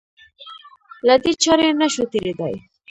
له دې چارې نه شو تېرېدای.